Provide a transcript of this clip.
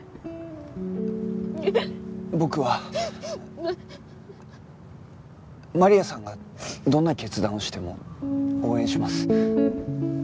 僕はマリアさんがどんな決断をしても応援します。